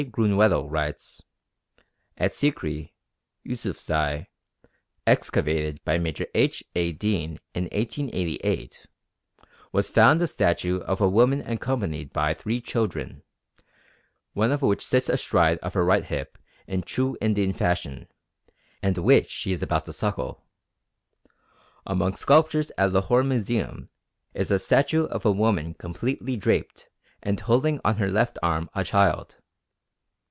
Grünwedel writes: "At Sikri, Yusufzai, excavated by Major H. A. Deane in 1888, was found a statue of a woman accompanied by three children, one of which sits astride of her right hip in true Indian fashion, and which she is about to suckle. Among sculptures at Lahore Museum is a statue of a woman completely draped and holding on her left arm a child.